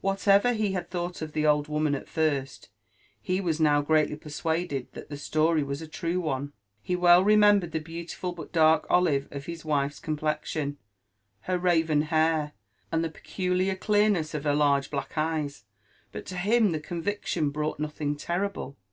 What ever he had thought of the old woman at first, he was now greatly persuaded that the story was a true one ; he wel remembered the beautiful but dark olive of his wife's complexion, her raven hair, and the peculiar clearness of her large black eyes ; but to him the convic tion brought nothing terrible.